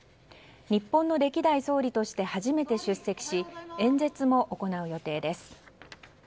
日本の歴代総理として初めて出席し演説も行う予定です。